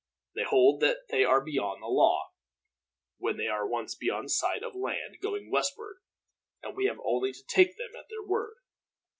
They hold that they are beyond the law, when they are once beyond sight of land, going westward; and we have only to take them at their word.